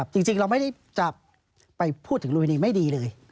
จริงเราไม่ได้จะไปพูดถึงลุมินีไม่ดีเลย